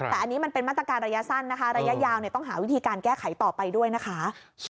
แต่อันนี้มันเป็นมาตรการระยะสั้นนะคะระยะยาวต้องหาวิธีการแก้ไขต่อไปด้วยนะคะ